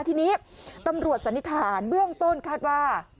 ทีนี้ตำรวจสันนิษฐานเบื้องต้นคาดว่า